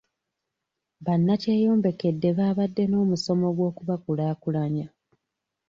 Bannakyeyombekedde baabadde n'omusomo gw'okubakulaakulanya.